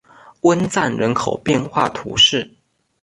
翁赞人口变化图示